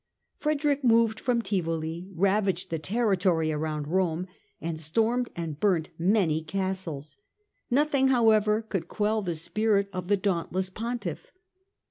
Frederick moved from Tivoli, ravaged the territory around Rome and stormed and burnt many castles. Nothing, however, could quell the spirit of the dauntless Pontiff.